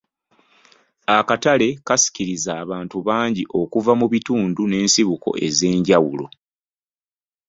Akatale kasikiriza abantu bangi okuva mu bitundu n'esibuko ez'enjawulo